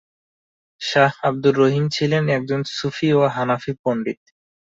শাহ আব্দুর রহিম ছিলেন একজন সুফি এবং হানাফি পণ্ডিত।